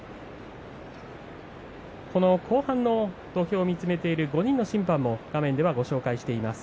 後半の土俵を見つめている５人の審判を画面では紹介しています。